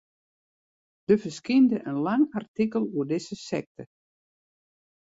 Der ferskynde in lang artikel oer dizze sekte.